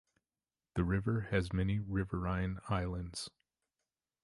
The river has many riverine islands.